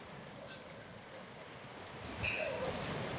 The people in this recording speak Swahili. jumla yao inakadiriwa kufikia milioni mbili